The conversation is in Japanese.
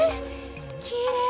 きれい！